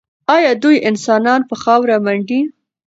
ایا دوی انسانان په خاورو منډي؟